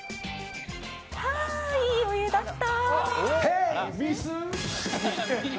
はあ、いいお湯だった。